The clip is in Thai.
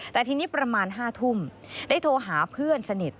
แต่ทีนี้ประมาณ๕ทุ่มได้โทรหาเพื่อนสนิท